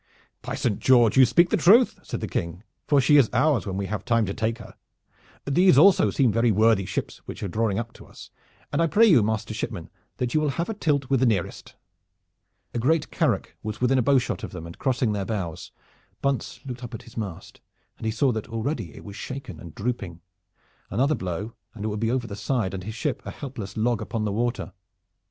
"By Saint George! you speak the truth," said the King, "for she is ours when we have time to take her. These also seem very worthy ships which are drawing up to us, and I pray you, master shipman, that you will have a tilt with the nearest." A great carack was within a bowshot of them and crossing their bows. Bunce looked up at his mast, and he saw that already it was shaken and drooping. Another blow and it would be over the side and his ship a helpless log upon the water.